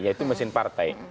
yaitu mesin partai